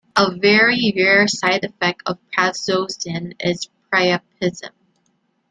A very rare side effect of prazosin is priapism.